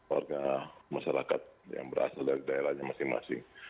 warga masyarakat yang berasal dari daerahnya masing masing